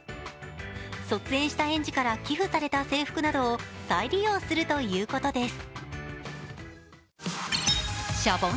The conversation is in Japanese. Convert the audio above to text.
卒園した園児から寄付された制服などを再利用するということです。